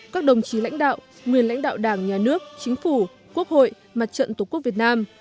các đồng chí lãnh đạo nguyên lãnh đạo đảng nhà nước chính phủ quốc hội mặt trận tổ quốc việt nam